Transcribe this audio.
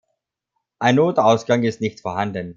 Ein Notausgang ist nicht vorhanden.